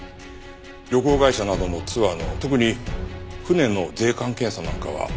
旅行会社などのツアーの特に船の税関検査なんかはどうしても緩くなる。